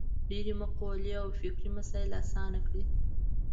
ډېرې مقولې او فکري مسایل اسانه کړي.